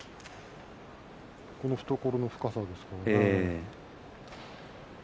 この懐の深さですからね。